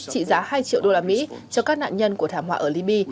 trị giá hai triệu đô la mỹ cho các nạn nhân của thảm họa ở liby